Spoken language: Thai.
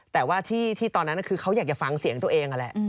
แต่ว่าที่ตอนนั้นคือเขาอยากจะฟังเสียงตัวเองนั่นแหละ